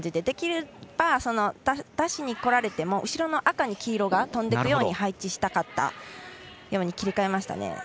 できれば、出しに来られても後ろの赤に黄色が飛んでいくように配置したかったように切り替えましたね。